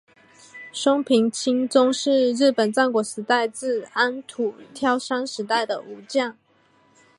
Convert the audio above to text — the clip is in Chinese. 松平清宗是日本战国时代至安土桃山时代的武将。